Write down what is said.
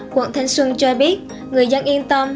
quận thanh xuân cho biết người dân yên tâm